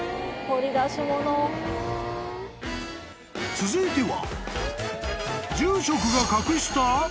［続いては］